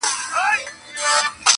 مامي سړو وینو ته اور غوښتی.!